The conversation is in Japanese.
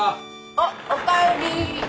おっおかえり。